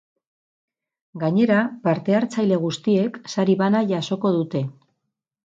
Gainera, parte hartzaile guztiek sari bana jasoko dute.